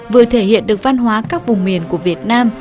vừa thể hiện được văn hóa các vùng miền của việt nam